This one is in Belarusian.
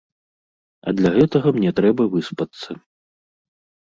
А для гэтага мне трэба выспацца.